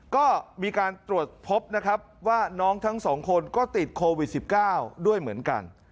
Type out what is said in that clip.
ก็มีการตรวจพบนะครับว่าน้องทั้งสองคนก็ติดโควิด๑๙ด้วยเหมือนกัน